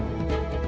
jul juli jul